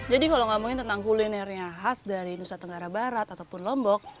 jadi kalau ngomongin tentang kulinernya khas dari nusa tenggara barat ataupun lombok